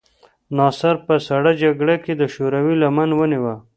ناصر په سړه جګړه کې د شوروي لمن ونیوله.